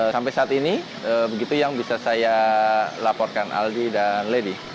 sampai saat ini begitu yang bisa saya laporkan aldi dan lady